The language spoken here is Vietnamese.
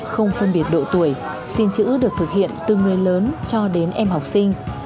không phân biệt độ tuổi xin chữ được thực hiện từ người lớn cho đến em học sinh